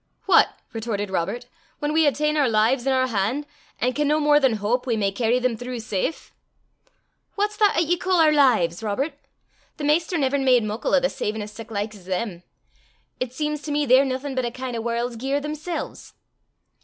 "What!" retorted Robert, " whan we hae ta'en oor lives in oor han', an' can no more than houp we may cairry them throu' safe!" "What's that 'at ye ca' oor lives, Robert? The Maister never made muckle o' the savin' o' sic like 's them. It seems to me they're naething but a kin' o' warl's gear themsel's."